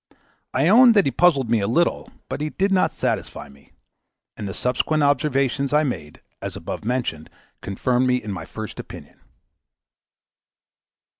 I owned that he puzzled me a little, but he did not satisfy me; and the subsequent observations I made, as above mentioned, confirmed me in my first opinion.